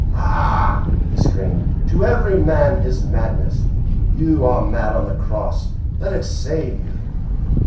"Ah," he screamed, "to every man his madness. You are mad on the cross. Let it save you."